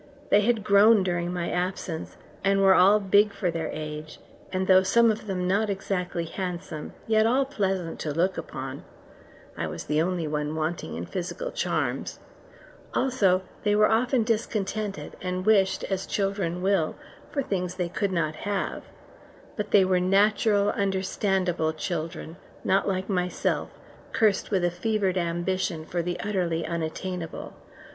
They had grown during my absence, and were all big for their age, and though some of them not exactly handsome, yet all pleasant to look upon I was the only wanting in physical charms also they were often discontented, and wished, as children will, for things they could not have; but they were natural, understandable children, not like myself, cursed with a fevered ambition for the utterly unattainable.